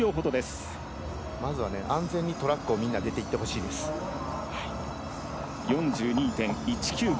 まずは安全にトラックをみんな出ていってほしいです。４２．１９５